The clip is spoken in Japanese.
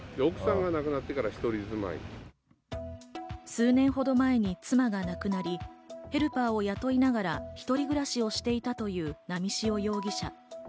数年ほど前に妻が亡くなりヘルパーを雇いながら一人暮らしをしていたという波汐容疑者。